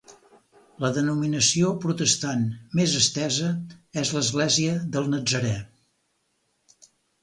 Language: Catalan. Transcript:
La denominació protestant més estesa és l'Església del Natzarè.